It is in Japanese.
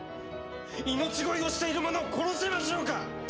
命乞いをしている者を殺せましょうか！